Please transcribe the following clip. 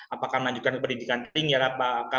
apakah melanjutkan ke pendidikan tinggi apakah